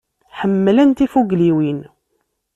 Ḥemmlen tifugliwin.